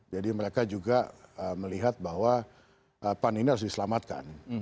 jadi mereka juga melihat bahwa pan ini harus diselamatkan